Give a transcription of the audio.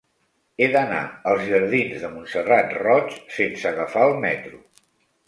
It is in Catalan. He d'anar als jardins de Montserrat Roig sense agafar el metro.